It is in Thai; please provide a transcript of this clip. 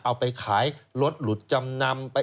เอาไปขายรถหลุดจำนำ